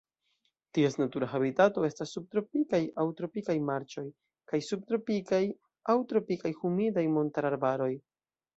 Ties natura habitato estas subtropikaj aŭ tropikaj marĉoj kaj subtropikaj aŭ tropikaj humidaj montararbaroj.